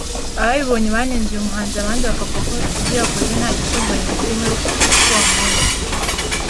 Ababibonye banenze uyu muhanzi abandi bakavuga ko ibyo yakoze nta gitunguranye kirimo bakurikije uko bamuzi